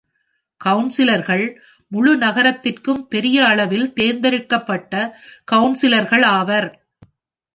கவுன்சிலர்கள் முழு நகரத்திற்கும் பெரிய அளவில் தேர்ந்தெடுக்கப்பட்ட கவுன்சிலர்கள் ஆவர்.